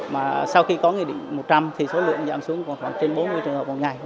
mà sau khi có nghị định một trăm linh thì số lượng giảm xuống còn khoảng trên bốn mươi trường hợp một ngày